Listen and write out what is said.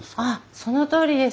そのとおりです。